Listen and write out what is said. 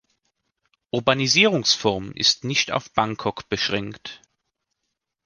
Urbanisierungsform ist nicht auf Bangkok beschränkt.